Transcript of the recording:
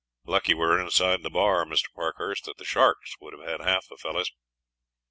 "Lucky we are inside the bar, Mr. Parkhurst, or the sharks would have had half the fellows."